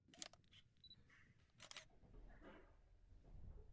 Současně vznikaly první kroky k vytvoření samostatného bulharského státu.